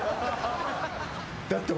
だって俺。